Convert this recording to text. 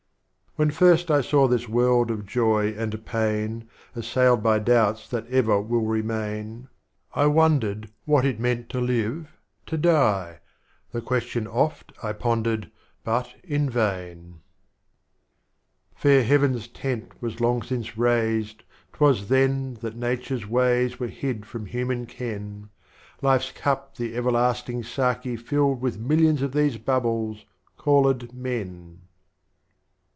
IX. When first I saw this World of Joy and Pain, Assailed by Doubts that ever will remain, I wondered what it meant to live, to die, — The Question oft I pondered, but in vain. 40 StropJies of Omar Khayyam. X. Fair Heaven's Tent was long since raised, 't was Then That Nature's WajJ^s were hid from Human Ken, Life's Cup the Everlasting Sdki filled With Millions of these Bubbles, called Men.